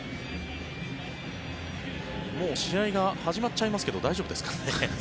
もう試合が始まっちゃいますけど大丈夫ですかね。